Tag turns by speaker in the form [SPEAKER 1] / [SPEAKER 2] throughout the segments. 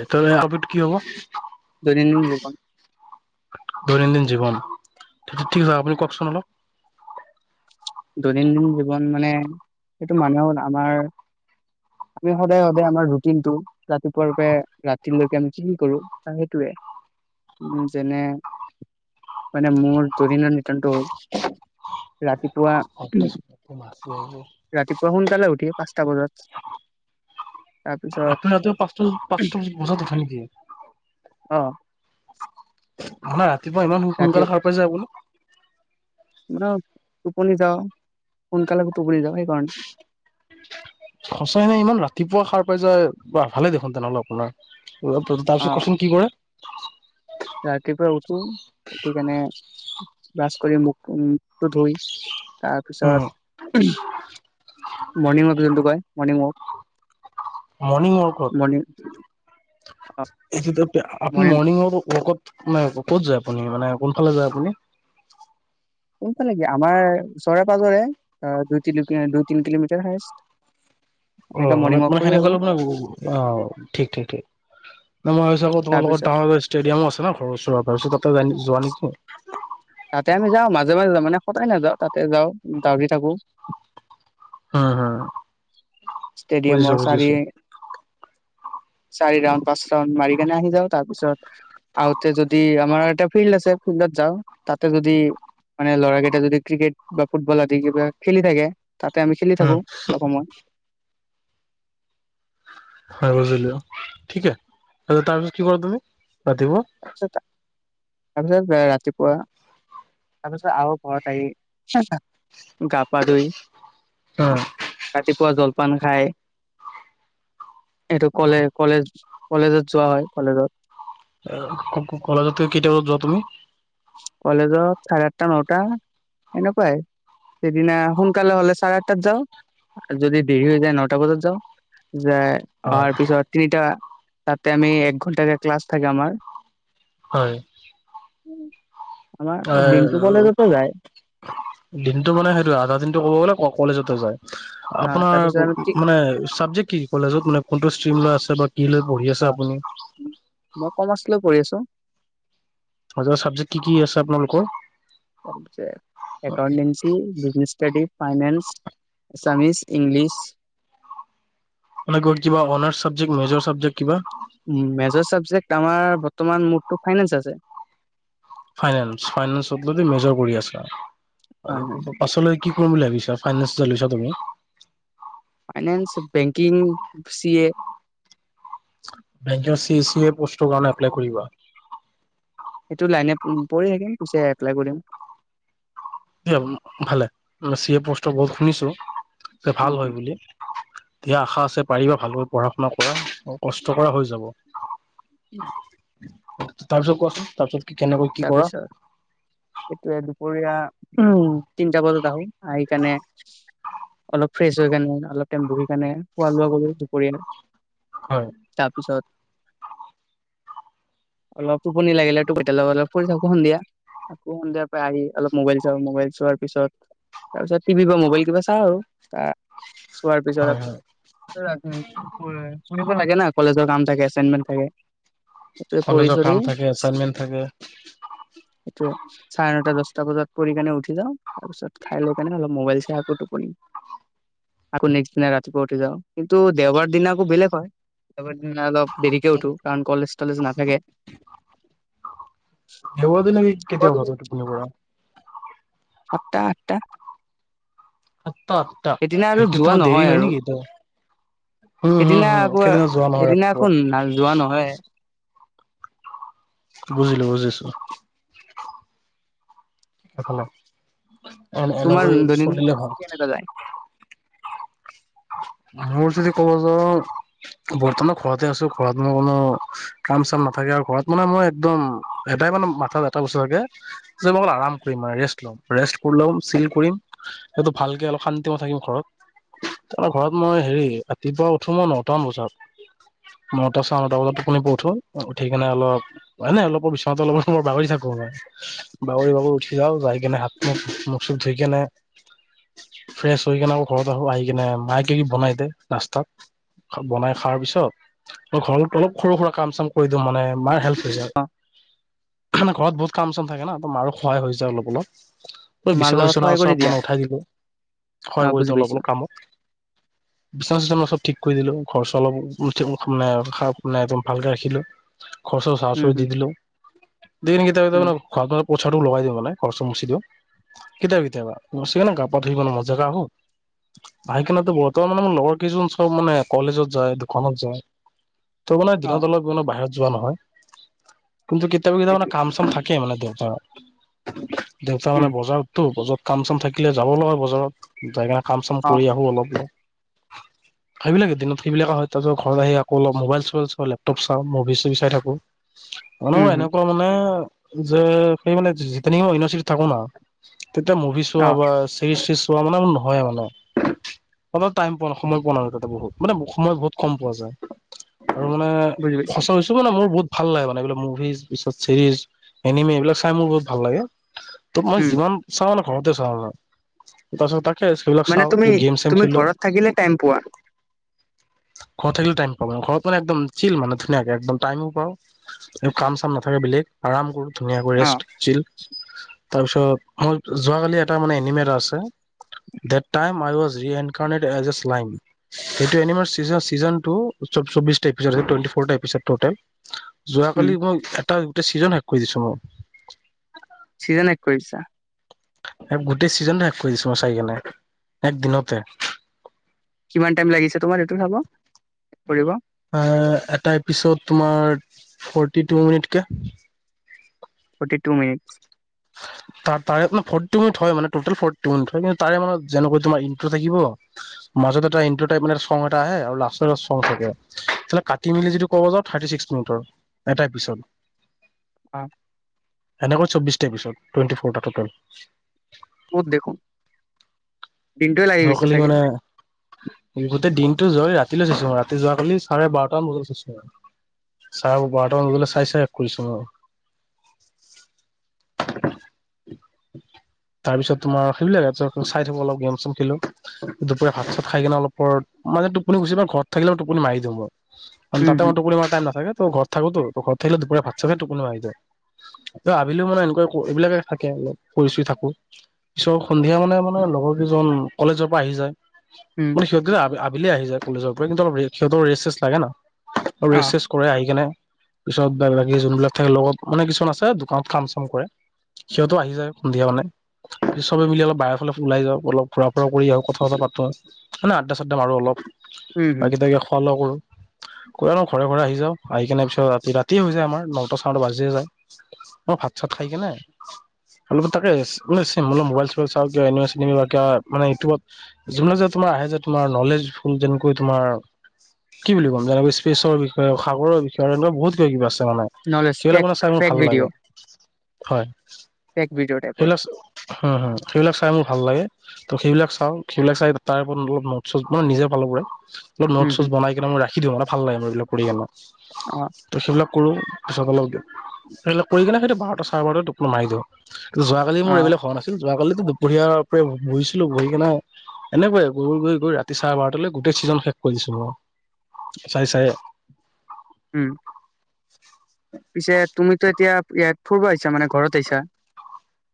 [SPEAKER 1] এইটো আপত কি হব?
[SPEAKER 2] দৈনন্দিন জীৱন।
[SPEAKER 1] অহ 'ঠিক আ আপুনি কওকচোন অলপ।
[SPEAKER 2] দৈনন্দিন জীৱন মানে, সেইটো মানুহৰ আমাৰ আমি সদায়, সদায় আমাৰ ৰুটিন টো ৰাতিপুৱাৰ পৰা ৰাতিলৈকে আমি কি কৰো সেইটোয়ে। উম, যেনে মানে মোৰ দৈনন্দিন ৰাতি
[SPEAKER 1] অ। [unintelligible]
[SPEAKER 2] ৰাতিপুৱা সোনকালে উঠি পাঁচটা বজাত তাৰপিছত
[SPEAKER 1] আপুনি ৰাতি পাঁচটা, পাঁচটা বজাত উঠে নেকি?
[SPEAKER 2] [unintelligible]
[SPEAKER 1] নহয় ৰাতিপুৱা ইমান
[SPEAKER 2] ৰাতি
[SPEAKER 1] সোনকালে সাৰ পাই যায় যে আপুনি?
[SPEAKER 2] টোপনি যাওঁ সোনকালে। টোপনি যাওঁ সেইকাৰণে
[SPEAKER 1] সচাই মই ইমান ৰাতিপুৱা সাৰ পাই যাও ভালে দেখোন। তেনেহ'লে আপোনাৰ
[SPEAKER 2] অ
[SPEAKER 1] তাৰপিছত কওকচোন কি কৰে?
[SPEAKER 2] ক্লাছ কৰি মুখ মোকটো ধুই
[SPEAKER 1] উম
[SPEAKER 2] তাৰপিছত মৰ্ণিং ৱাক যোনটো কয় মৰ্ণিং ৱাক।
[SPEAKER 1] মৰ্ণিং
[SPEAKER 2] মৰ্ণিং
[SPEAKER 1] ৱাকত
[SPEAKER 2] অ
[SPEAKER 1] এই আপুনি
[SPEAKER 2] মৰ্ণিং
[SPEAKER 1] মৰ্ণিংৱাকত ক'ত যায় আপুনি মানে কোনফালে যায় আপুনি?
[SPEAKER 2] আমাৰ ওচৰে পা ধৰে দুই দুই তিনি কিলোমিটাৰ হে আছে
[SPEAKER 1] অ মানে মানে সেনেকুৱা মানে অ ঠিক ঠিক ঠিক। নহ মই ভাবিছো আকৌ
[SPEAKER 2] তাৰ
[SPEAKER 1] তোমালোকৰ
[SPEAKER 2] পিছত
[SPEAKER 1] ডাঙৰ ষ্টেডিয়ামো আছে ন ঘৰ ওচৰত তাতে যোৱা নেকি
[SPEAKER 2] তাতে আমি যাওঁ মাজে মাজে যাওঁ মানে সদায় নাযাওঁ তাতে যাওঁ দৌৰি থাকোঁ।
[SPEAKER 1] হম হম বুজিছো
[SPEAKER 2] ষ্টেডিয়ামৰ চাৰি
[SPEAKER 1] বুজিছো
[SPEAKER 2] চাৰি ৰাউণ্ড পাঁচ ৰাউণ্ড মাৰি কেনে আহি যাও তাৰ পিছত আহোঁতে যদি আমাৰ এটা ফিল্ড আছে ফিল্ডত যাওঁ। তাতে যদি মানে ল'ৰা কেইটা যদি ক্ৰিকেট বা ফুটবল আদি কিবা খেলি থাকে। তাতে আমি খেলি
[SPEAKER 1] উম
[SPEAKER 2] থাকোঁ অলপ সময়।
[SPEAKER 1] ঠিকে তাৰপিছত কি কৰা তুমি ৰাতিপুৱা।
[SPEAKER 2] তাৰপিছত তাৰপিছত ৰাতিপুৱা। তাৰপিছত আৰু ঘৰত আহি গা পা ধুই ৰাতিপুৱা জলপান খাই এইটো কলে কলেজ কলেজত যোৱা হয় কলেজত
[SPEAKER 1] কলেজত কেইটা বজাত যোৱা তুমি?
[SPEAKER 2] কলেজত চাৰে আঠটা নটা সেনেকুৱাই সেইদিনা সোনকালে হলে চাৰে আঠটাত যাওঁ আৰু যদি দেৰি হৈ যায় নটা বজাত যাওঁ। যায়
[SPEAKER 1] হয়
[SPEAKER 2] অহাৰ পিছত তিনিটা তাতে আমি এক ঘণ্টা ক্লাছ থাকে আমাৰ
[SPEAKER 1] হয়।
[SPEAKER 2] উম।
[SPEAKER 1] হয় দিনটো মানে সেইটো আধা দিনটো ক'ব গ'লে কলেজতে যায়।
[SPEAKER 2] আহ তাৰপিছত
[SPEAKER 1] আপোনাৰ
[SPEAKER 2] আমি ঠিক
[SPEAKER 1] মানে চাবজেক্ট কি কলেজত মানে কোনটো ষ্টিম লৈ আছে বা কি লৈ পঢ়ি
[SPEAKER 2] অ
[SPEAKER 1] আছে আপুনি
[SPEAKER 2] মই কমাৰ্চ লৈ পঢ়ি আছো
[SPEAKER 1] মেজৰ চাবজেক্ট কি কি আছে আপোনালোকৰ
[SPEAKER 2] তাৰপিছত accountancy business study finance Assamese, English.
[SPEAKER 1] মানে কিবা অনাৰ্ চাবজেক্ট, মেজৰ চাবজেক্ট কিবা
[SPEAKER 2] মেজৰ চাবজেক্ট আমাৰ বৰ্তমান মোৰটো ফাইনেন্স আছে।
[SPEAKER 1] ফাইনেন্স ফাইনেন্সত মেজৰ কৰি আছা
[SPEAKER 2] হয়
[SPEAKER 1] পাছলৈ কি কি কৰিম বুলি ভাবিছা finance
[SPEAKER 2] finance banking C A
[SPEAKER 1] bank C C A পষ্টৰ কাৰণে এপ্লাই কৰিবা।
[SPEAKER 2] সেইটো লাইনে পঢ়ি থাকিম পিছে এপ্লাই কৰিম।
[SPEAKER 1] দিয় ভালে চি এ পষ্টৰ বহুত শুনিছোঁ যে
[SPEAKER 2] উম
[SPEAKER 1] ভাল হয়
[SPEAKER 2] হম।
[SPEAKER 1] বুলি দিয়া আশা আছে পাৰিবা ভালকৈ পঢ়া- শুনা কৰা কষ্ট কৰা হৈ যাব।
[SPEAKER 2] [inaudible]
[SPEAKER 1] তাৰপিছত কোৱাচোন তাৰপিছত? কি কেনেকৈ কি কৰা
[SPEAKER 2] তাৰপিছত এইটোয়ে দুপৰীয়া উম, তিনটা বজাত আহো আহিকেনে অলপ ফ্ৰেছ হৈ কেনে অলপ টাইম বহি কেনে খোৱা -লোৱা কৰিলো দুপৰীয়াৰ।
[SPEAKER 1] হয়
[SPEAKER 2] তাৰপিছত অলপ টোপনি লাগিলে [unintelligible] ফুৰি থাকো সন্ধিয়া। আকৌ সন্ধিয়াৰ পৰাই আহি অলপ মোবাইল চাওঁ মোবাইল চোৱাৰ পিছত তাৰপিছত টিভি বা মোবাইল কিবা চাওঁ আৰু আহ চোৱাৰ
[SPEAKER 1] হয়
[SPEAKER 2] পিছত
[SPEAKER 1] হয়
[SPEAKER 2] [unintelligible] শুনিব লাগে না কলেজৰ কাম থাকে, এচাইনমেন্ট থাকে। ত' পঢ়ি -
[SPEAKER 1] কলেজৰ
[SPEAKER 2] চঢ়ি
[SPEAKER 1] কাম থাকে এচাইনমেন্ট থাকে
[SPEAKER 2] [unintelligible] চাৰে নটা দচ দচটা বজাত পঢ়ি কেনে উঠি যাওঁ তাৰপিছত খাই লৈ কেনে অলপ মোবাইল চাই আকৌ টোপনি। আকৌ নেক্স দিনা ৰাতিপুৱা উঠি যাওঁ কিন্তু দেওবাৰ দিনা আকৌ বেলেগ হয় দেওবাৰ দিনা অলপ দেৰিক উঠো কাৰণ কলেজ -তলেজ নাথাকে।
[SPEAKER 1] সেইবোৰ দিনত কি কেতিয়া উঠা তই টোপনি পৰা?
[SPEAKER 2] সাতটাহ- আঠটা।
[SPEAKER 1] সাতটা - আঠটা
[SPEAKER 2] সেইদিনা আৰু
[SPEAKER 1] সেইটোতো
[SPEAKER 2] যোৱা
[SPEAKER 1] দেৰি
[SPEAKER 2] নহয়
[SPEAKER 1] হয়
[SPEAKER 2] আৰু
[SPEAKER 1] নেকি তোৰ? উম, হম
[SPEAKER 2] সেইদিনা
[SPEAKER 1] -হম
[SPEAKER 2] আকৌ
[SPEAKER 1] সেইদিনা যোৱা নহয়
[SPEAKER 2] এদিনা আকৌ
[SPEAKER 1] ৰাতিপুৱা।
[SPEAKER 2] না যোৱা নহয়
[SPEAKER 1] বুজিলো, বুজিছো সেফালে। এন
[SPEAKER 2] তোমাৰ
[SPEAKER 1] -এনেকৈ চলিলে
[SPEAKER 2] দৈনন্দিন
[SPEAKER 1] ভাল।
[SPEAKER 2] কেনেকা যায়
[SPEAKER 1] মোৰ যদি কব যাওঁ বৰ্তমান ঘৰতে আছো ঘৰত মই কোনো কাম - চাম নাথাকে আৰু ঘৰত মানে মই একদম এটাই মানে মাথাত এটা বস্তু থাকে যে মই আৰাম কৰিম আৰ। ৰেষ্ট লম, ৰেষ্ট কৰি লম, চিল কৰিম, সেইটো ভালকে অলপ শান্তি মতে থাকিম ঘৰত।
[SPEAKER 2] [inaudible]
[SPEAKER 1] তাৰমানে ঘৰত মই হেৰি ৰাতিপুৱা উঠো মই নটামান বজাত নটা চাৰে নটা বজাত টোপনি প উঠো উঠি কিনে অলপ এনে অলপ বিচনাতে অলপ সময় বাগৰি থাকো। বাগৰি বাবু উঠি যাও যাই কেনে হাত- মুখ, মুখ - চুখ ধুই কেনে
[SPEAKER 2] [inaudible]
[SPEAKER 1] ফ্ৰেছ হৈ কিনে আকৌ ঘৰত আহো আহি কিনে মায় কিকি বনাই দে নাস্তাত বনাই খাৰ পিছত মই ঘৰত অলপ সৰু -সুৰা কাম চাম কৰি দিওঁ মানে মাৰ হেল্প
[SPEAKER 2] অ
[SPEAKER 1] [unintelligible] ঘৰত বহুত কাম চাম থাকে না ত 'মাৰো সহায় হৈ যায় অলপ- অলপ। ঐ'
[SPEAKER 2] মাৰ
[SPEAKER 1] বিচনা
[SPEAKER 2] লগত
[SPEAKER 1] -চিচনা
[SPEAKER 2] সহায় কৰি
[SPEAKER 1] চব
[SPEAKER 2] দিয়া
[SPEAKER 1] মানে উঠাই দিলো,
[SPEAKER 2] অ
[SPEAKER 1] সহায় কৰি
[SPEAKER 2] বুজি
[SPEAKER 1] দিলোঁ অলপ - অলপ। কামত
[SPEAKER 2] [inaudible]
[SPEAKER 1] বিচনা- চিচনা চব মই ঠিক কৰি দিলো। ঘৰ চৰ অলপ একদম ভালকে ৰাখিলো। খৰচৰ জাৰো -
[SPEAKER 2] উম
[SPEAKER 1] চাৰু
[SPEAKER 2] হুম
[SPEAKER 1] দি দিলো, দিন
[SPEAKER 2] উম
[SPEAKER 1] [unintelligible] পচাটো লগাই দিওঁ মানে। খৰচৰ মচি দিওঁ কেতিয়াবা -কেতিয়াবা মচি কেনে গা পা ধুই মানে মজীয়াত আহো। আহিকেনেটো বৰ্তমান মানে মোৰ লগৰ কেইজন চব মানে কলেজত যায় দোকানত যায় ত' মানে
[SPEAKER 2] অ
[SPEAKER 1] দিনত অলপ মানে বাহিৰত যোৱা নহয়। কিন্তু কেতিয়াবা -কেতিয়াব মানে
[SPEAKER 2] সেইটোৱে
[SPEAKER 1] কাম -চাম থাকে মানে দেউতাৰ। দেউতা
[SPEAKER 2] উম
[SPEAKER 1] মানে বজাৰততো বজাৰ কাম- চাম থাকিলে যাব লগা হয় বজাৰত যাই কিনে কাম -চাম
[SPEAKER 2] অ
[SPEAKER 1] কৰি আহো অলপ
[SPEAKER 2] [inaudible]
[SPEAKER 1] সেইবিলাক দিনত সেইবিলাক হয় তাৰছত ঘৰত আহি আকৌঅলপ মোবাইল চোবল চলে, লেপটপ চাও, মুভি - চুভি চাই থাকো। মানুহ
[SPEAKER 2] উম হুম
[SPEAKER 1] এনেকুৱা মানে যে সেই মানে [unintelligible] থাকো ন, তেতিয়া মুভি চোৱা
[SPEAKER 2] অ
[SPEAKER 1] বা চিৰিজ চিৰিজ প্ৰব্লেম নহয়ে মানে। হলেওঁ টাইম পোৱা নাই, সময় পোৱা নাই তাতে বহুত। মানে সময় বহুত কম পোৱা যায়। আৰু মানে,
[SPEAKER 2] বুজি পাইছো
[SPEAKER 1] সঁচা কৈছোঁ মানে মোৰ বহুত ভাল লাগে মানে এইবিলাক মুভিজ পিছত চিৰিজ, এনিমে, এইবিলাক চাই মোৰ বহুত ভাল লাগে। ত মই
[SPEAKER 2] উম
[SPEAKER 1] যিমান চাওঁ নে ঘৰতে চাওঁ, ন তাৰপাছত তাক
[SPEAKER 2] মানে তুমি, তুমি ঘৰত থাকিলে টাইম পোৱা?
[SPEAKER 1] ঘৰত থাকিলে টাইম পাম। ঘৰত মানে একদম ছিল মানে ধুনীয়াকে একদম টাইমো পা কাম চাম নাথাকে বুলি আৰাম কৰো। ধুনীয়াকৈ
[SPEAKER 2] অ
[SPEAKER 1] ৰেষ্ট, ছিল। তাৰপিছত যোৱাকালি এটা মানে এনিমে এটা আছে that time I was reincarnated as a slime সেইটো এনিমেৰ ছিজন, চিজনটো চব চব্বিছটা এপিছদ হয়, টুৱেন্টি ফৌৰটা এপিচড টোটেল।
[SPEAKER 2] উম,
[SPEAKER 1] যোৱাকালি মই এটা গোটেই ছিজন শেষ কৰি দিছো মই।
[SPEAKER 2] চিজন শেষ কৰিছা?
[SPEAKER 1] এক গোটেই ছিজনটো শেষ কৰি দিছো মই চাই কেনে, একদিনতে।
[SPEAKER 2] কিমান টাইম লাগিছে তোমাৰ এইটো চাব, কৰিব?
[SPEAKER 1] এটা এপিচদ তোমাৰ ফৰ্টী টু মিনিট কে।
[SPEAKER 2] Forty two minutes.
[SPEAKER 1] ত তাৰে ফৰ্টি মিনিট হয় মানে, টতেল ফৰ্টি মিনিট হয়। কিন্তু তাৰে মানে যেনেকৈ তোমাৰ ইন্ত্ৰ থাকিব মাজত এটা ইন্ত্ৰ টাইপ মানে চং এটা আহে আৰু লাষ্ট [unintelligible] থাকে। কাটি মেলি যদি ক'ব যাও থাৰ্তি ছিক্স মিনিট। এটা এপিছদ।
[SPEAKER 2] অ।
[SPEAKER 1] এনেকৈ চৌবিছটা এপিছদ। টুৱেন্টি ফৰটা টটেল।
[SPEAKER 2] মত দেখোন। দিনটো লাগি গৈছে
[SPEAKER 1] যোৱাকালি
[SPEAKER 2] চাগে।
[SPEAKER 1] মানে গোটেই দিনটো যয় ৰাতিলৈ চাইছো। ৰাতি যোৱাকালি চাৰে বাৰটামান বজাত চাইছো আৰু। চাৰে বাৰটামান বজালে চাই চাই শেষ কৰিছো মই।
[SPEAKER 2] [inaudible]
[SPEAKER 1] [unintelligible] তাৰ পিছত তোমাৰ সেইবিলাক চাই থাকো, অলপ গেম চেম খেলো দুপৰীয়া ভাত চাত খাই কিনে অলপ পৰ মানে টোপনি গুচি ঘৰত থাকিলে টোপনি মাৰি দিওঁ মই। কাৰণ
[SPEAKER 2] উম
[SPEAKER 1] তাতে
[SPEAKER 2] হুম
[SPEAKER 1] ইমান টোপনি মাৰা টাইম নাথাকে। ত থাকোটো ঘৰত থাকিলে দুপৰীয়া ভাত চাত খাই টোপনি আহি যায়। ত আবেলি সময়ত এনেকুৱাই কৰোঁ এইবিলাকে থাকে আৰু কৰি চুই থাকো। পিছৰ সন্ধিয়া মানে মানে লগৰ কেইজন কলেজৰ পৰা আহি যায়।
[SPEAKER 2] উম
[SPEAKER 1] মানে সিহঁত আবে আবেলি আহি যায় কলেজৰ পৰা। কিন্তু অলপ সিহঁতৰ ৰেষ্ট চেষ্ট লাগে না। আৰু
[SPEAKER 2] অ
[SPEAKER 1] ৰেষ্ট চেষ্ট কৰে আহি কেনে। পিছত বা বাকী যোনবিলাক থাকে লগত মানে কিছুমান আছে দোকানত কাম চাম কৰে। সিহঁতো আহি যায়। সন্ধিয়া মানে চবে মিলি অলপ বাহিৰৰ ফালে ওলাই যাওঁ। অলপ ঘুৰা ফুৰা কৰি আহো। কথা ছথা পাতো মানে আদ্দা-চাদ্দা মাৰো অলপ।
[SPEAKER 2] উম হুম
[SPEAKER 1] বাকী তাকে খোৱা-লোৱা কৰো।
[SPEAKER 2] [inaudible]
[SPEAKER 1] কৈ নো ঘৰে ঘৰে আহি যাওঁ। আহি কিনে পিছত ৰাতি ৰাতিয়ে হৈ যায়। আমাৰ নটা চাৰে নটা বাজিয়ে যায়। মই ভাত-চাত খাই কেনে অলপ ৰেষ্ট [unintelligible] কৰি মোবাইল চোবাইল চাওঁ কিবা এনিমি চেনিমি মানে ইউটউবত যোনে যোনে তোমাৰ আহে যে তোমাৰ নলেজ ফুল যেনেকৈ তোমাৰ কি বুলি কম যেনেকৈ স্পেচৰ বিষয়ে, সাগৰ বিষয়ে। এনেকুৱা বহুত কিবা-কিবা আছে।
[SPEAKER 2] নলেজ
[SPEAKER 1] সেইবিলাক
[SPEAKER 2] ফেক
[SPEAKER 1] মানে চাই মোৰ
[SPEAKER 2] ফেক
[SPEAKER 1] ভাল লাগে, হয়।
[SPEAKER 2] এক ভিডিঅ' টাইপত।
[SPEAKER 1] সেইবিলাক হম হু। সেইবিলাক চাই মোৰ ভাল লাগে। ত সেইবিলাক চাওঁ, সেইবিলাক চাই তাৰ ওপৰত অলপ নটচ চটচ মানে নিজে অলপ নটচ
[SPEAKER 2] উম
[SPEAKER 1] ছটচ
[SPEAKER 2] হুম
[SPEAKER 1] বনাই কিনে মই ৰাখি দিওঁ। মানে ভাল লাগে এইবিলাক কৰি কিনে।
[SPEAKER 2] অ।
[SPEAKER 1] কৰো পিছত অলপ ধৰি লওক কৰি কিনে সেইটো বাৰটা চাৰ বাৰতাত টোপনি মাৰি দিওঁ। যোৱাকালি
[SPEAKER 2] অ
[SPEAKER 1] মোৰ এইবিলাক হোৱা নাছিল। যোৱাকালি দুপৰীয়াৰ পৰা বহিছিলো। বহি কিনে এনেকুৱাইে গৈ গৈ গৈ ৰাতি চাহ বাৰট গোটেই ছিজন শেষ কৰি দিছো মই। চাই চাই।
[SPEAKER 2] উম পিছে তুমিতো এতিয়া ইয়াত ফুৰিব আহিছা মানে ঘৰত আহিছা।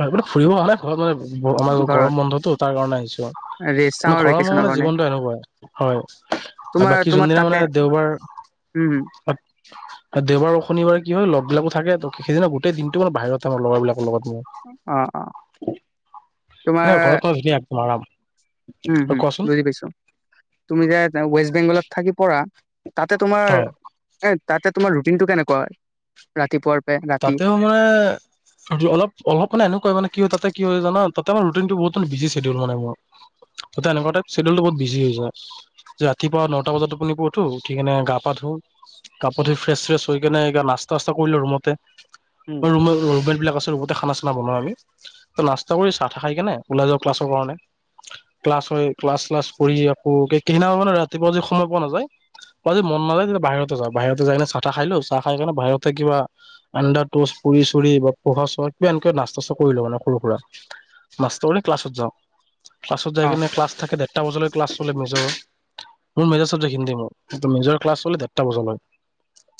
[SPEAKER 1] হয় এই ফুৰিব অহা নাই। ঘৰত মানে আমাৰ
[SPEAKER 2] ঘৰত
[SPEAKER 1] গৰম বন্ধতটো তাৰ কাৰণে আহিছো।
[SPEAKER 2] ৰেষ্ট
[SPEAKER 1] মানে
[SPEAKER 2] চামাৰ
[SPEAKER 1] ঘৰৰ মোৰ
[SPEAKER 2] ভেকেচনৰ
[SPEAKER 1] মানে
[SPEAKER 2] কাৰণে
[SPEAKER 1] জীৱনটো এনেকুৱাই হয়।
[SPEAKER 2] তোমাৰ
[SPEAKER 1] আৰু বাকী
[SPEAKER 2] তোমাৰ
[SPEAKER 1] যোনদিনা
[SPEAKER 2] তাতে
[SPEAKER 1] মানে দেওবাৰ
[SPEAKER 2] উম হুম
[SPEAKER 1] দেওবাৰ শনিবাৰ কি হয় লগ বিলাকো থাকে সেইদিনা গোটেই দিনটো মানে বাহিৰত আমাৰ লগৰ বিলাক। তোৰ
[SPEAKER 2] অ অ
[SPEAKER 1] লগত
[SPEAKER 2] তোমাৰ
[SPEAKER 1] মোৰ ঘৰত চিনি একদম আৰাম।
[SPEAKER 2] উম
[SPEAKER 1] আৰু
[SPEAKER 2] হুম
[SPEAKER 1] কোৱাচোন
[SPEAKER 2] বুজি পাইছো তুমি যে ৱেষ্ট বেংগলত থাকি পঢ়া। তাতে তোমাৰ
[SPEAKER 1] হয়
[SPEAKER 2] এ তাতে তোমাৰ ৰুটিন টো কেনেকুৱা ৰাতিপুৱাৰ। পৰা ৰাতি
[SPEAKER 1] তাতেও মানে অলপ অলপ মানে এনেকুৱা মানে কি তাতে কি হয় জানা। তাতে ৰুটিনটো বহুত মানে বিজি ছেডিউল মানে মোৰ এতিয়া এনেকোৱাই চ্বেডউলটো বহুত বিজি হৈ যায়। ৰাতিপুৱা নটা বজাত আপুনি উঠিব টো উঠিকনে গা পা ধো কাপত ধুই ফ্ৰেচ চ্ৰেছ হৈ কেনে না্তা চাচতা কৰিলো। ৰুমতে
[SPEAKER 2] উম
[SPEAKER 1] ৰুম ৰুমেত বিলাক আছে ৰুম। খানা চানা বনাওঁ। আমি ত না্তা কৰি চাহ খাই কেনে ওলাই যাওঁ ক্লাছ কাৰণে ক্লাছ হয় ক্লাছ শ্লাছ কৰি আকৌ সেইদিনা মানে ৰাতিপুৱা যদি সময় পোৱা নাযায়। যদি মন নালে যেতিয়া বাহিৰতে যাওঁ। বাহিৰতে যাই কিনে চাহ খাই লো চাহ খাই কিনে বাহিৰতে কিবা আন্দা টেচ কৰিছো দেই বা পোহা চহা কিবা এনেকোৱা নাষ্টা কৰি লো মানে সৰু সুৰা। মাষ্টৰলৈ ক্লাছত যাওঁ। ক্লাছত যাই
[SPEAKER 2] অ
[SPEAKER 1] কিনে ক্লাছ থাকে দেৰটা বজালৈ। ক্লাছ চলে মজৰ মোৰ মেজ চাবজেক্ট হিন্দ মোৰ মেজ ক্লাছ হলেৰটা বজাল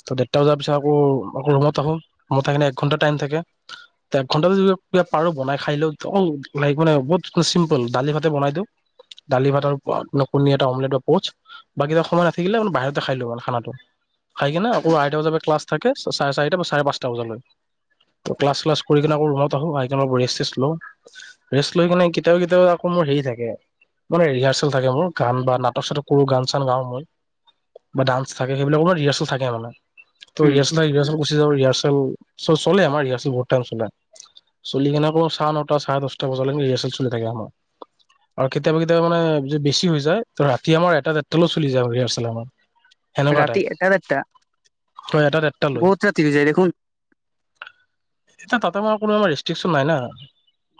[SPEAKER 1] ত দেৰটা বজাৰ পিছত আকৌ আকৌ ৰুমত আহো ৰুমত আহিলনে এক ঘন্টা টাইম থাকে। ঘণ্টা পাৰ বনাই খাই লও লক মানে বহুত। চিম্পুল দালি ভাতে বনাই দিওঁ‌। দালি ভাত আৰু কণী এটা অমলেট বা পচ বা কিটা সময় নাথাকিলে ম বাহিৰতে খাই লো মানে খানাটো। খাই কিনে আকৌ আঢ়ৈটা বজাৰ পৰা ক্লাছ থাকে চাৰে চাৰটা বা চাৰে পাঁচটা। টা বজালৈ ক্লাছ চালাছ কৰি। কিনে আকৌ ৰুমত আহো আহনে ৰেষ্ট লওঁ। ৰেষ্ট লৈ কেনে কেতিয়াও কেতিয়াও আকৌ মোৰ হেৰি থাকে। মানে ৰিহাৰ্চেল থাকে মোৰ গান বা নাটক চাটক কৰোঁ‌ গান চান গাওঁ‌ মই। বা ডান্সা থাকে সেইবিলাকৰ ৰিহাৰ্চেল থাকে মানে
[SPEAKER 2] উম
[SPEAKER 1] ৰিহাৰ্চেল ৰিহাৰ্চেল। চ চলে আমাৰ ৰিহাৰ্চেল বহুত টাইম চলে। চলি কেনে আকৌ চাহ নটা চাৰে দহটা বজালৈকে ৰিহাৰ্চেল চলি থাকে আমাৰ। আৰু কেতিয়াবা কেতিয়াবা মানে যদি বেছি হৈ যায়। ত ৰাতি আমাৰ এটা ডেটালও চলি যায় ৰিহাৰ্চেল আমাৰ। সেনেকোৱা
[SPEAKER 2] ৰাতি
[SPEAKER 1] টাইপ।
[SPEAKER 2] এটা দেৰটা
[SPEAKER 1] তই এটা দেৰটা লৈ।
[SPEAKER 2] বহুত ৰাতি হৈ যায় দেখোন
[SPEAKER 1] এতিয়া তাতে মই কোনো আমাৰ ৰেষ্ট্ৰিকচন নাই না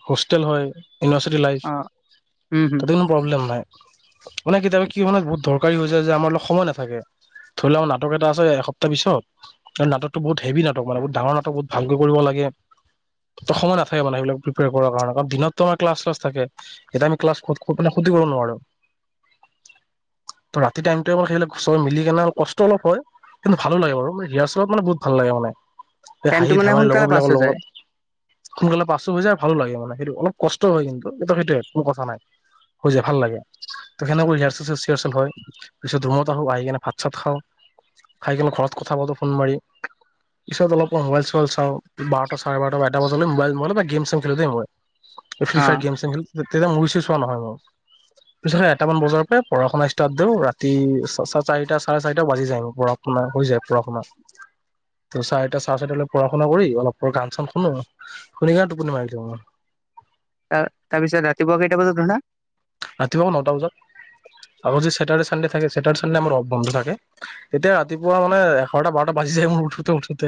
[SPEAKER 1] হোষ্টেল হয়। University live.
[SPEAKER 2] অ উম হুম
[SPEAKER 1] তাতে কোনো প্ৰব্লেম নাই মানে কিতিয়াবা কি মানে বহুত ধৰ এনেকোৱা হৈ যায় যে। আমাৰ লগ সময় নাথাকে। ধৰি লওক নাটক এটা আছে এসপ্তাহ পিছত আৰু নাটকো বহুত হেভি নাটক। নাট মানে বহুত ডাঙৰ নাটক বহত ভালকৈ কৰিব লাগে। ত সময় নাথাকে মানে সেইবিলাক প্ৰিপেয়াৰ কৰাৰ কাৰে কাৰণ দিনত আমাৰ ক্লাছ চালাচ থাকে। এতিয়া আম ক্লাছ শেষ। কব নোৱাৰ
[SPEAKER 2] [unintelligible]
[SPEAKER 1] ত ৰাতি টাইমত অ' সেইিল চবে মিলি কেনে কষ্ট অলপ হয়। কিন্তু ভালো লাগে বাৰু ৰিহাৰ্চেল ত মানে বহুত লাগে মানে। এই
[SPEAKER 2] টাইমটো
[SPEAKER 1] হাঁহি
[SPEAKER 2] মানে
[SPEAKER 1] ধেমালি লগৰ
[SPEAKER 2] সোনকালে পাছ
[SPEAKER 1] বিলাকৰ
[SPEAKER 2] হৈ
[SPEAKER 1] লগত
[SPEAKER 2] যায়
[SPEAKER 1] সোনকালে পাছ হৈ যায় আৰু ভালো লাগে মানে সেইটো অলপ কষ্ট হয় কিন্তু এইটো সেইটোয়ে কোনো কথা নাই হৈ যায় ভাল লাগে। ত সেনেকৈ ৰিহাৰ্চেল চিহাচেল হয়। পিছত ৰুমত আহো আহি কিনে ভাত চাত খাওঁ। খাই কিনে ঘৰত কথা পাতো ফোন মাৰি। পিছত অলপ মোবাইল চোবাইল চাওঁ। বাৰটা চাৰে বাৰটা এটা বজালে মোবাইল চোবাইল বা গেম চেম খেলো দেই মই। ফ্ৰী
[SPEAKER 2] অ
[SPEAKER 1] ফায়াৰ গেম তেতিয়া মোবাইল চোবাইল চোৱা নহয়। ম পিছে এটামান বজাৰ পৰা পঢ়া শুনা ষ্টাৰ্ট দিও ৰাতি চ চাৰিটা চাৰে চাৰিটা বাজি যাই পঢ়া হৈ যায় পঢ়া শুনাত
[SPEAKER 2] [inaudible]
[SPEAKER 1] ত চাৰিটা চাৰে চাৰিটা পঢ়া শুনা কৰি অলপৰ গান চান শুনো শুনি কে টোপনি মাৰি দিও অ
[SPEAKER 2] তাৰপিছত ৰাতিপুৱা কেইটা বজাত উঠা
[SPEAKER 1] ৰাতিপুৱা নটা বজাত আ যদি চেটাৰডে চানডে থাকে চেটাৰ চানডে আম অ বন্ধ থাকে তেতিয়া ৰাতিপুৱা মানে এঘাৰটা বাৰটা বাজ উঠোতে উঠোতে